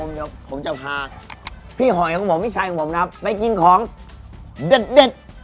เดี๋ยวผมจะพาพี่หอยของผมพี่ชายของผมนะครับไปกินของเด็ด